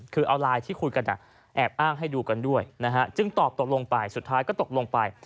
คือเอาไลน์ที่คุยกันแอบอ้างให้ดูกันด้วยนะฮะจึงตอบตกลงไปสุดท้ายก็ตกลงไป